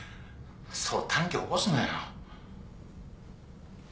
そう短気起こすなよ。